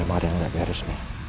emang ada yang nggak beres nih